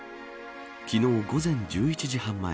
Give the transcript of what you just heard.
昨日、午前１１時半前